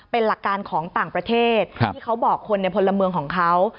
เป็นหลักการของต่างประเทศที่เขาบอกคนในพลเมืองของเขา